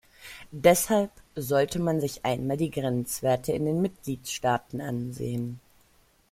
Deshalb sollte man sich einmal die Grenzwerte in den Mitgliedstaaten ansehen.